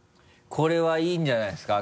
これはいいんじゃないですか？